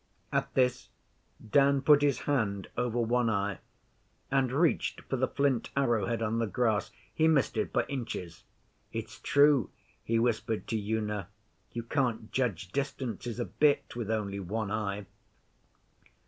At this Dan put his hand over one eye, and reached for the flint arrow head on the grass. He missed it by inches. 'It's true,' he whispered to Una. 'You can't judge distances a bit with only one eye.